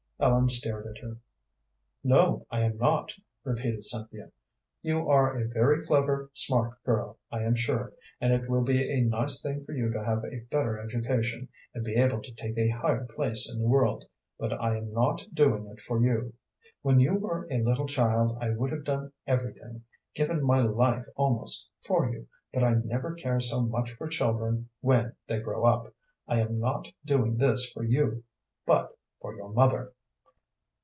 Ellen stared at her. "No, I am not," repeated Cynthia. "You are a very clever, smart girl, I am sure, and it will be a nice thing for you to have a better education, and be able to take a higher place in the world, but I am not doing it for you. When you were a little child I would have done everything, given my life almost, for you, but I never care so much for children when they grow up. I am not doing this for you, but for your mother."